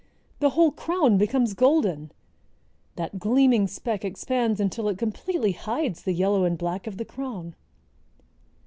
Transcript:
The whole crown becomes golden! That gleaming speck expands until it completely hides the yellow and black of the crown."